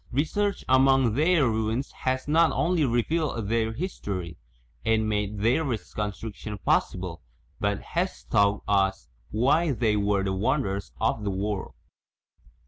Research among their ruins has not only revealed their history >f f and made ( their reconstruction #?* i *<' possible, but h&Sjfanght t c&/wh;y >: 'they were the wonders of the world.